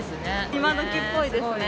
今どきっぽいですよね。